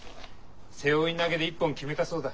背負い投げで一本決めたそうだ。